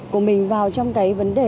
của mình vào trong cái vấn đề